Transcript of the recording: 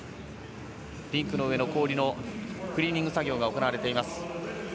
リンクの上の氷のクリーニング作業が行われてます。